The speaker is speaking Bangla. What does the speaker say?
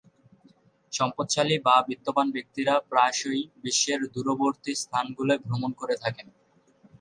সম্পদশালী বা বিত্তবান ব্যক্তিরা প্রায়শঃই বিশ্বের দূরবর্তী স্থানগুলোয় ভ্রমণ করে থাকেন।